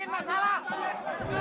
jangan bikin masalah